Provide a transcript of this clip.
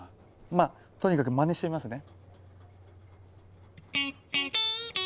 まあとにかくまねしてみますね。